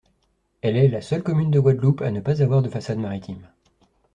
Elle est la seule commune de Guadeloupe à ne pas avoir de façade maritime.